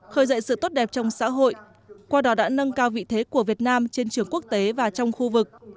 khởi dậy sự tốt đẹp trong xã hội qua đó đã nâng cao vị thế của việt nam trên trường quốc tế và trong khu vực